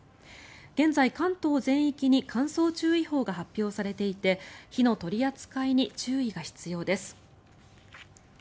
現在、関東全域に乾燥注意報が発表されていて火の取り扱いに注意が必要です。